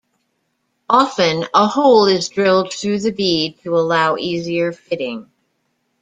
Often, a hole is drilled through the bead to allow easier fitting.